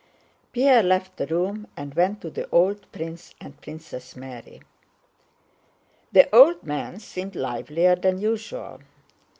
Pierre left the room and went to the old prince and Princess Mary. The old man seemed livelier than usual.